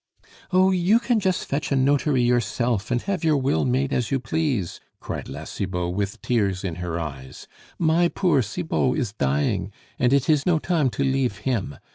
"Oh! you can just fetch a notary yourself, and have your will made as you please," cried La Cibot, with tears in her eyes. "My poor Cibot is dying, and it is no time to leave him.